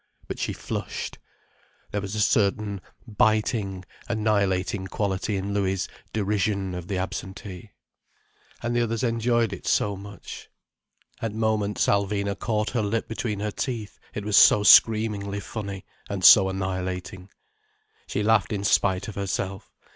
But she flushed. There was a certain biting, annihilating quality in Louis' derision of the absentee. And the others enjoyed it so much. At moments Alvina caught her lip between her teeth, it was so screamingly funny, and so annihilating. She laughed in spite of herself.